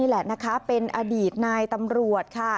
แหละนะคะเป็นอดีตนายตำรวจค่ะ